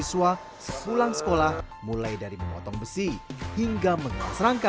dan juga oleh para siswa pulang sekolah mulai dari memotong besi hingga mengelas rangka